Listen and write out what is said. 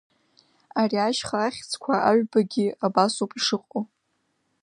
Ари ашьха ахьӡқәа аҩбагьы абасоуп ишыҟо…